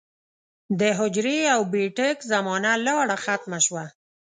د حجرې او بېټک زمانه لاړه ختمه شوه